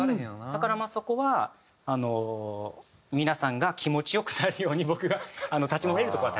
だからまあそこはあの皆さんが気持ち良くなるように僕が立ち回れるとこは立ち回って。